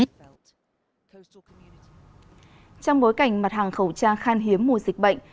trong bối cảnh mặt hàng khẩu trang khan hiếm mùa dịch bệnh